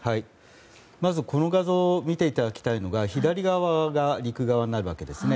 まず、この画像見ていただきたいのが左側が陸側になるわけです。